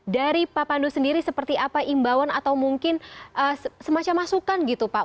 dari pak pandu sendiri seperti apa imbauan atau mungkin semacam masukan gitu pak